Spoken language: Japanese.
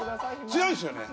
強いっすよね？